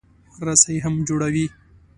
رسۍ هم جوړوي.